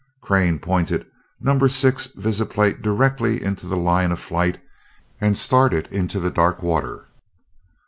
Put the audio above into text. Crane pointed number six visiplate directly into the line of flight and started into the dark water.